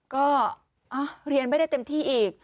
ก็เรียนไม่ได้เต็มที่อีก